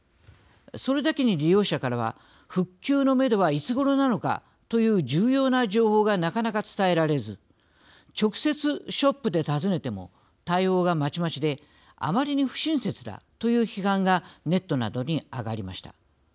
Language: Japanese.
それだけに利用者からは復旧のめどはいつごろなのかという重要な情報がなかなか伝えられず直接、ショップで尋ねても対応がまちまちであまりに不親切だという批判がネットなどに上がりました。